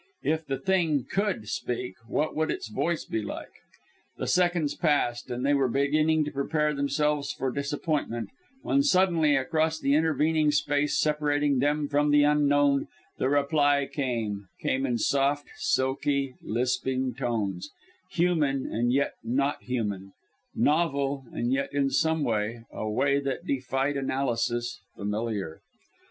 If the Thing could speak what would its voice be like? The seconds passed, and they were beginning to prepare themselves for disappointment, when suddenly across the intervening space separating them from the Unknown, the reply came came in soft, silky, lisping tones human and yet not human, novel and yet in some way a way that defied analysis familiar.